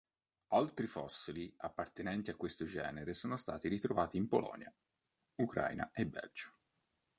Altri fossili appartenenti a questo genere sono stati ritrovati in Polonia, Ucraina e Belgio.